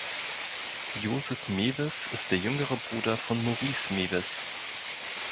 Joseph Mewis ist der jüngere Bruder von Maurice Mewis.